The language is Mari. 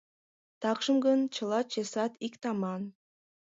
— Такшым гын, чыла чесат ик таман.